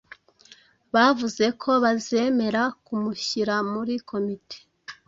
Bavuze ko bazemera kumushyira muri komite.